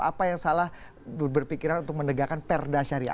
apa yang salah berpikiran untuk menegakkan negara islam